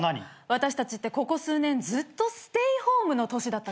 私たちってここ数年ずっとステイホームの年だったじゃない。